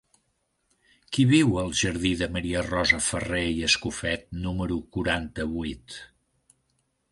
Qui viu al jardí de Maria Rosa Farré i Escofet número quaranta-vuit?